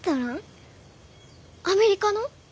アメリカの？